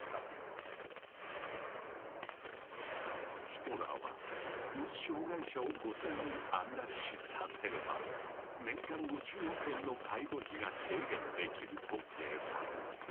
ヒトラーはもし障害者を５，０００人安楽死させれば年間５０億円の介護費が軽減できると計算。